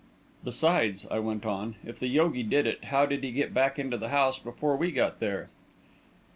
"Besides," I went on, "if the yogi did it, how did he get back into the house before we got there?"